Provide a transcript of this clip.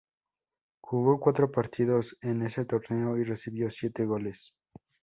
Jugó cuatro partidos en ese torneo y recibió siete goles.